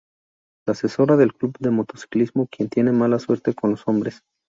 La asesora del club de motociclismo quien tiene mala suerte con los hombres.